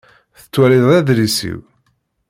Tettwaliḍ adlis-iw?